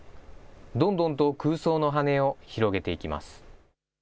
どんどんと空想の羽根を広げていきます。